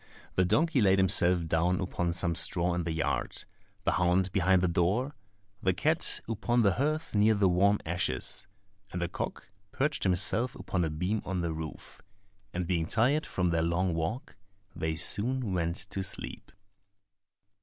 The donkey laid himself down upon some straw in the yard, the hound behind the door, the cat upon the hearth near the warm ashes, and the cock perched himself upon a beam of the roof; and being tired from their long walk, they soon went to sleep.